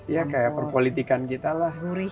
ya kayak perpolitikan kita lah